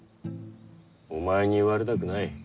お前に言われたくない。